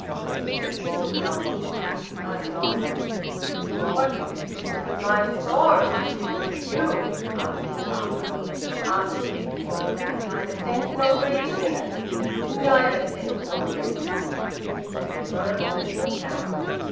He said to himself: "I am lost." "What's this business o' mine for, if it isna' for you?" asked his father. "Architecting! There's neither sense nor reason in it! Neither sense nor reason!" He rose and walked out.